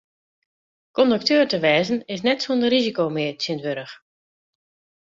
Kondukteur te wêzen is net sûnder risiko mear tsjintwurdich.